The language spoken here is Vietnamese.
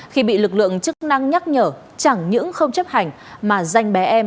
khi bị lực lượng chức năng nhắc nhở chẳng những không chấp hành mà danh bé em